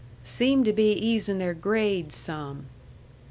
"Seem to be easin' their grades some."